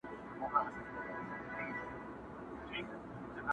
ځان د بل لپاره سوځول زده کړو٫